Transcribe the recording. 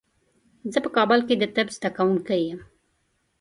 زه په کابل کې د طب زده کوونکی یم.